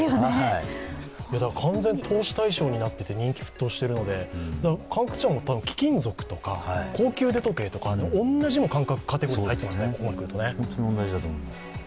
完全に投資対象になっていて人気沸騰しているので関係者も貴金属とか高級腕時計とか同じようなカテゴリーに入っていますよね。